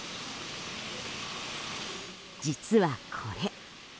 実はこれ。